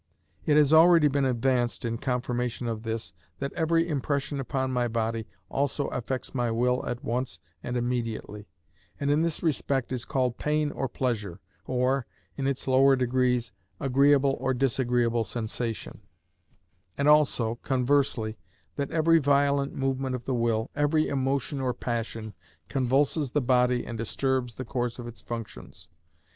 It has already been advanced in confirmation of this that every impression upon my body also affects my will at once and immediately, and in this respect is called pain or pleasure, or, in its lower degrees, agreeable or disagreeable sensation; and also, conversely, that every violent movement of the will, every emotion or passion, convulses the body and disturbs the course of its functions.